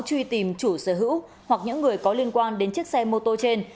truy tìm chủ sở hữu hoặc những người có liên quan đến chiếc xe mô tô trên